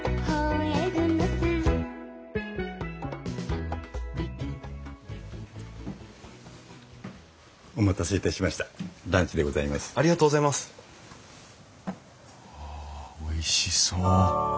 わあおいしそう。